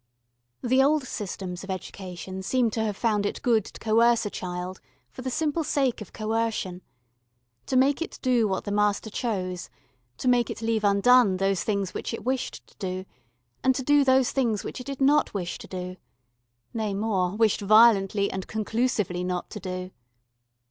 The old systems of education seem to have found it good to coerce a child for the simple sake of coercion to make it do what the master chose, to make it leave undone those things which it wished to do and to do those things which it did not wish to do nay, more, wished violently and conclusively not to do.